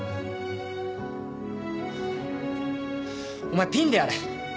お前ピンでやれ。